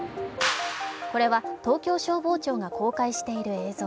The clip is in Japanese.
これは東京消防庁が公開している映像。